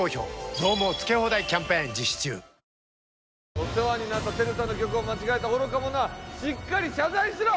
お世話になったＴＥＲＵさんの曲を間違えた愚か者はしっかり謝罪しろ！